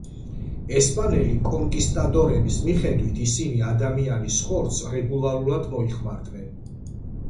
ესპანელი კონკისტადორების მიხედვით, ისინი ადამიანის ხორცს რეგულარულად მოიხმარდნენ.